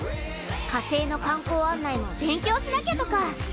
火星の観光案内の勉強しなきゃとか。